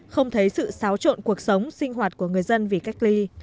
không thấy sự xáo trộn cuộc sống sinh hoạt của người dân vì cách ly